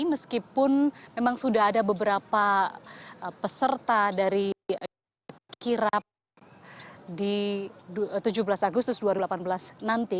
meskipun memang sudah ada beberapa peserta dari kirap di tujuh belas agustus dua ribu delapan belas nanti